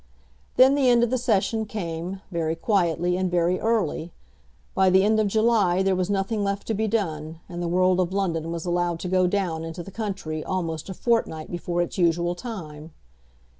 Then the end of the Session came, very quietly and very early. By the end of July there was nothing left to be done, and the world of London was allowed to go down into the country almost a fortnight before its usual time.